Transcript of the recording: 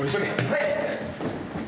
はい。